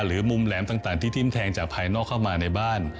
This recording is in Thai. หรือมุมแหลมต่างที่ทิ้มแทงจากภายนอกเข้ามาในบ้าน